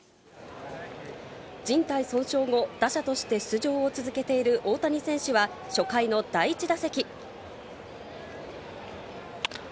じん帯損傷後、打者として出場を続けている大谷選手は初回の第１打席。